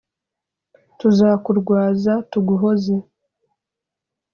Tuzakurwaza tuguhoze